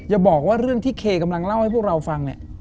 อย่าบอกว่าเรื่องที่เคกำลังเล่าให้พวกเราฟังเนี่ย